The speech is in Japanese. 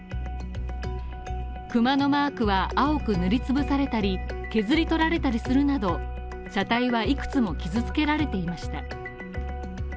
熊のマークは青く塗りつぶされたり、削り取られたりするなど、車体は幾つも傷つけられていました。